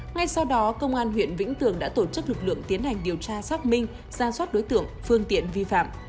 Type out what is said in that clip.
ngay sau đó công an huyện vĩnh tường đã tổ chức lực lượng tiến hành điều tra xác minh ra soát đối tượng phương tiện vi phạm